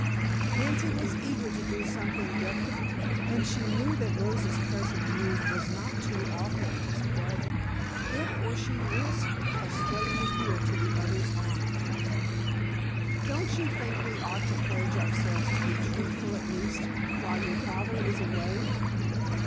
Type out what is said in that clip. Nancy was eager to do something definite, and she knew that Rosa's present mood was not too often displayed. Therefore she risked a straight appeal to the other's honor. "Don't you think we ought to pledge ourselves to be truthful at least, while your father is away?"